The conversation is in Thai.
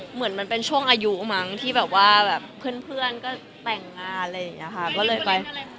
เหมือนมันเป็นช่วงอายุมั้งที่แบบว่าเพื่อนก็แต่งงานเลยนะคะ